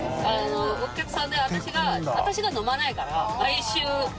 お客さんで私が飲まないから。